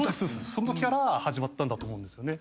そのときから始まったんだと思うんですよね。